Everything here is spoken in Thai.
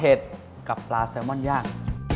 เห็ดกับปลาแซมอนยาก